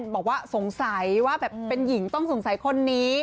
มีคนบอกว่าสงสัยเป็นหญิงต้องสงสัยคนนี้